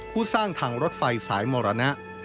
ผู้สร้างทางรถไฟสายมรณะ